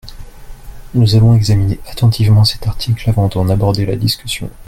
Nous avons examiné attentivement cet article avant d’en aborder la discussion.